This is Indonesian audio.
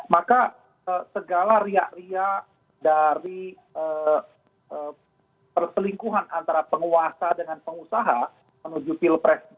maka segala ria ria dari perselingkuhan antara penguasa dengan pengusaha menuju pilpres dua ribu dua puluh empat